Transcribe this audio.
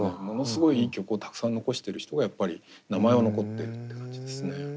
ものすごいいい曲をたくさん残してる人がやっぱり名前は残ってるって感じですね。